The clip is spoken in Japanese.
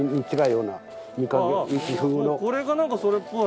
これが何かそれっぽい。